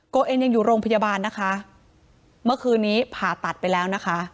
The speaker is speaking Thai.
ตัวเองยังอยู่โรงพยาบาลนะคะเมื่อคืนนี้ผ่าตัดไปแล้วนะคะ